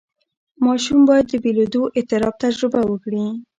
ماشوم باید د بېلېدو اضطراب تجربه وکړي.